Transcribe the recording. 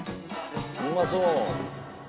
うまそう！